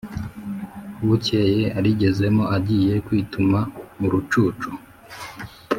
Bukeye arigezemo agiye kwituma mu rucucu